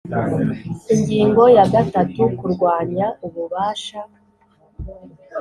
Ingingo ya gatatu Kurwanya ububasha